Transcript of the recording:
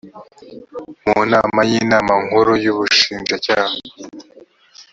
mu nama y inama nkuru y ubushinjacyaha